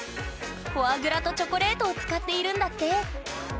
フォアグラとチョコレートを使っているんだって！